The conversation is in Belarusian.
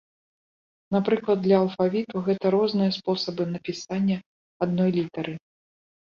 Напрыклад для алфавіту гэта розныя спосабы напісання адной літары.